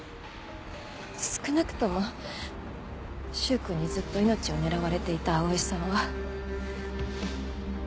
少なくとも柊君にずっと命を狙われていた葵さんは。